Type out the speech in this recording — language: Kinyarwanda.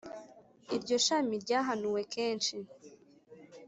Iryo shami ryahanuwe kenshi